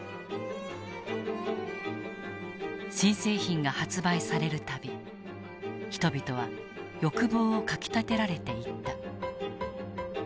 新製品が発売される度人々は欲望をかきたてられていった。